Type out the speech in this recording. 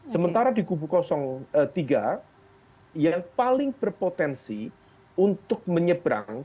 sementara di kubu tiga yang paling berpotensi untuk menyeberang